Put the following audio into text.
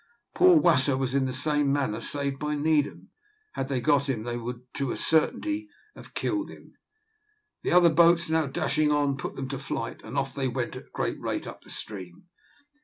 Poor Wasser was in the same manner saved by Needham; had they got him they would, to a certainty, have killed him. The other boats, now dashing on, put them to flight, and off they went at a great rate up the stream.